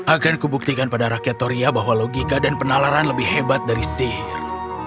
akan kubuktikan pada rakyat toria bahwa logika dan penalaran lebih hebat dari sihir